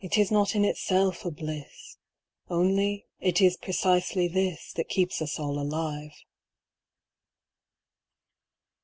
141 It 18 not in itself a bliss^ Only it is precisely this That keeps us all alive.